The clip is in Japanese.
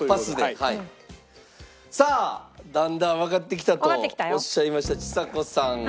さあだんだんわかってきたとおっしゃいましたちさ子さん。